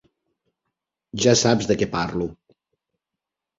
Ja saps de què parlo.